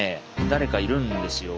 誰かいるんですよ